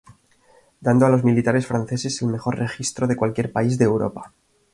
Dando a los militares franceses el mejor registro de cualquier país de Europa".